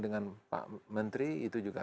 dengan pak menteri itu juga